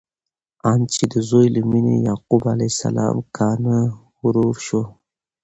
آن چې د زوی له مینې د یعقوب علیه السلام کانه وروشوه!